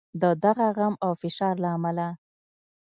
د دغه غم او فشار له امله.